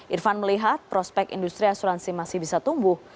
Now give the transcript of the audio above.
irfan melihat prospek industri asuransi masih bisa tumbuh